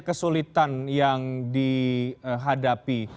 kesulitan yang dihadapi